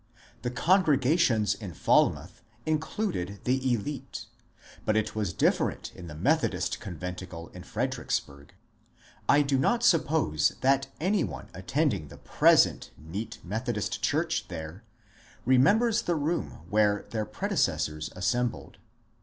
The congregations in Falmouth included the ^lite, but it was different in the Methodist conventicle in Fredericksburg. I do not suppose that any one attending the present neat Methodist church there remembers the room where their pre decessors assembled.